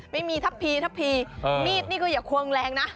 ไม่มีทัพพีทัพพีมีดนี่ก็อย่าควงแรงนะ